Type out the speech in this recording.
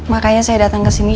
makanya saya datang kesini